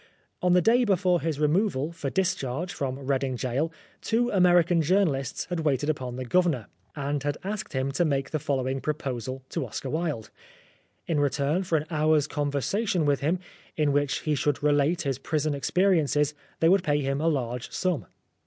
On the day before his removal, for discharge, from Reading Gaol, two American journalists had waited upon the Governor, and had asked him to make the following proposal to Oscar Wilde : In return for an hour's conversation with him, in which he should relate his prison ex periences, they would pay him a large sum.